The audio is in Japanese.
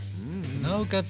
なおかつ